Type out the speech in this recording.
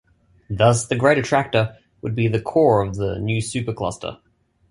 Thus the Great Attractor would be the core of the new supercluster.